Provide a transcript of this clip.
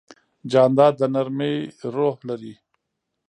جانداد د نرمه روح لري.